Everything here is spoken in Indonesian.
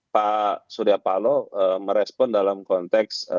pak surya palo merespon dalam konteks kepentingan